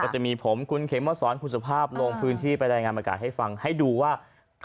จะมีผมคุณเขมอสรคุณสภาพโรงพื้นที่ปลายได้รายงานบริการให้ดูว่า